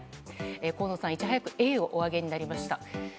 河野さん、いち早くＡをお挙げになりました。